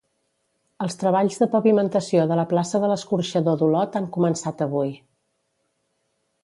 Els treballs de pavimentació de la plaça de l'Escorxador d'Olot han començat avui.